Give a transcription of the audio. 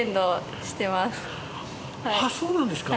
あっそうなんですか！